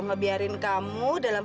nggak biarin kamu dalam keadaan yang baik